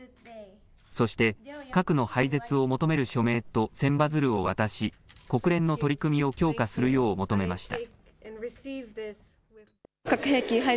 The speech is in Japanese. そして核の廃絶を求める署名と千羽鶴を渡し国連の取り組みを強化するよう求めました。